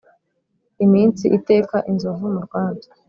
Iminsi iteka inzovu mu rwabya.